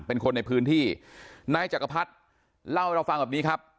เป็นคนในพื้นที่นายจักรพรรดิเล่าให้เราฟังแบบนี้ครับ